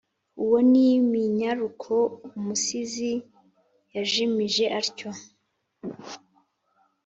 uwo ni minyaruko umusizi yajimije atyo